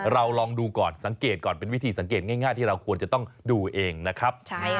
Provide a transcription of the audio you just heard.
ลองดูก่อนสังเกตก่อนเป็นวิธีสังเกตง่ายที่เราควรจะต้องดูเองนะครับ